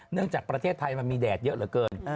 จากประเทศไทยมันมีแดดเยอะเหลือเกิน